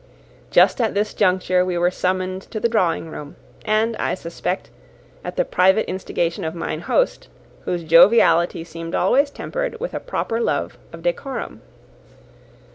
Just at this juncture we were summoned to the drawing room, and, I suspect, at the private instigation of mine host, whose joviality seemed always tempered with a proper love of decorum.